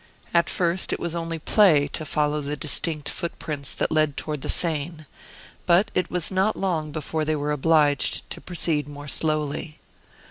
At first it was only play to follow the distinct footprints that led toward the Seine. But it was not long before they were obliged to proceed more slowly.